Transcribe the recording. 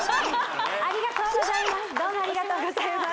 ありがとうございます